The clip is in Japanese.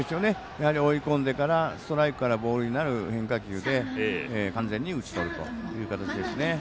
やはり追い込んでからストライクからボールになる変化球で完全に打ち取るという形ですね。